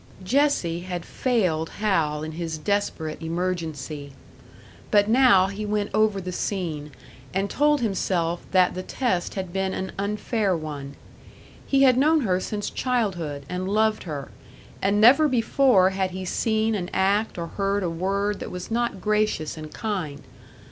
Jessie had failed Hal in his desperate emergency. But now he went over the scene, and told himself that the test had been an unfair one. He had known her since childhood, and loved her, and never before had he seen an act or heard a word that was not gracious and kind.